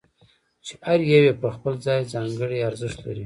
چې هر یو یې په خپل ځای ځانګړی ارزښت لري.